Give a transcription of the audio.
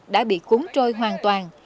đã bị cuốn trôi hoàn toàn